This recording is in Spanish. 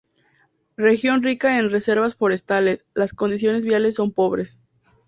Región rica en reservas forestales, las condiciones viales son pobres.